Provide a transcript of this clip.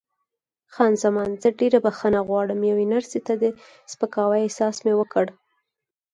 خان زمان: زه ډېره بښنه غواړم، یوې نرسې ته د سپکاوي احساس مې وکړ.